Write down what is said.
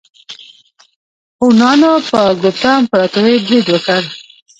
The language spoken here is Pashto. هونانو په ګوپتا امپراتورۍ برید وکړ.